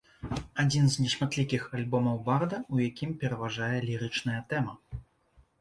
Адзін з нешматлікіх альбомаў барда, у якім пераважае лірычная тэма.